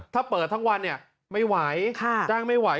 ถ้าเปิดทั้งวันเนี่ยไม่ไหวจ้างไม่ไหว